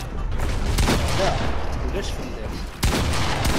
Ala ulac fell-as.